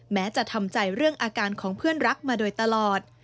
แม้จะทำใจเรื่องอาการของเพื่อนรักมาโดยตลอด